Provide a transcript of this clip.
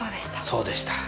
そうでした。